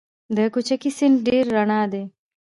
د کوکچې سیند ډیر رڼا دی